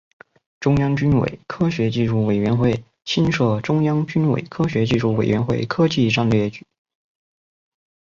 中央军委科学技术委员会新设中央军委科学技术委员会科技战略局。